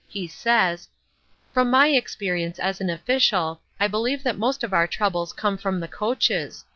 He says: "From my experience as an official, I believe that most of their troubles come from the coaches.